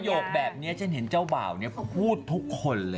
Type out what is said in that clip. พอประโยคแบบนี้ฉันเห็นเฉ้าบ่าวนี้พูดทุกคนเลย